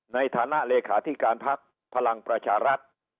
ในฐานะเลขาธิการพักพลังประชารัฐ